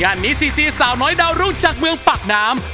นี้ซีซีสาวน้อยดาวรุ่งจากเมืองปากน้ำ